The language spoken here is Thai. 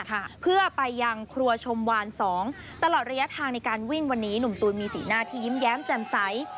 ค่ะเพื่อไปยังครัวชมวานสองตลอดระยะทางในการวิ่งวันนี้หนุ่มตูนมีสีหน้าที่ยิ้มแย้มแจ่มใส